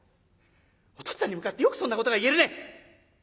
お父っつぁんに向かってよくそんなことが言えるね！